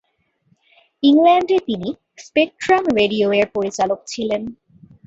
ইংল্যান্ডে তিনি স্পেকট্রাম রেডিও-এর পরিচালক ছিলেন।